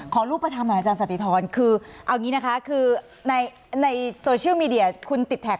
รูปธรรมหน่อยอาจารย์สติธรคือเอาอย่างนี้นะคะคือในโซเชียลมีเดียคุณติดแท็ก